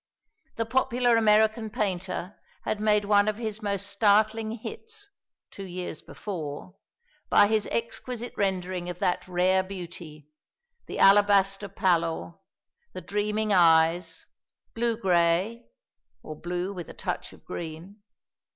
The popular American painter had made one of his most startling hits, two years before, by his exquisite rendering of that rare beauty, the alabaster pallor, the dreaming eyes, blue grey, or blue with a touch of green.